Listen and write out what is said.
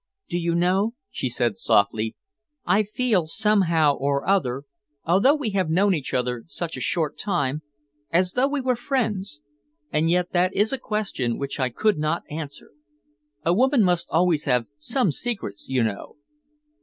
"Do you know," she said softly, "I feel, somehow or other, although we have known one another such a short time, as though we were friends, and yet that is a question which I could not answer. A woman must always have some secrets, you know."